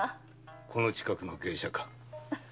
この近くの芸者か。